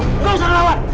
enggak usah lawan